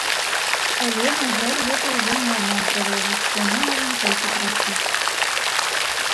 Але, на жаль гэта ўжо не ад нас залежыць, бо мы можам толькі прасіць.